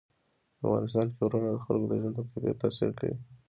په افغانستان کې غرونه د خلکو د ژوند په کیفیت تاثیر کوي.